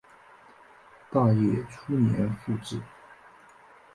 大业初年复置。